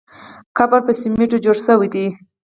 قبر په سمېټو جوړ شوی دی.